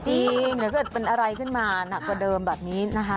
จริงเดี๋ยวเกิดเป็นอะไรขึ้นมาหนักกว่าเดิมแบบนี้นะคะ